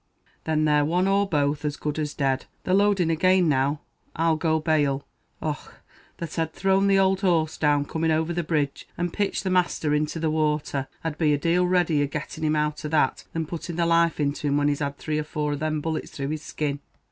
"Then they're one or both as good as dead; they're loading again now, I'll go bail. Och! that I'd thrown the owld horse down coming over the bridge, and pitched the masther into the wather. I'd be a dail readier getting him out of that, than putting the life into him when he's had three or four of them bullets through his skin."